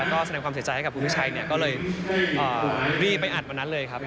ก็แสดงความเสียใจให้กับคุณพิชัยเนี่ยก็เลยรีบไปอัดวันนั้นเลยครับ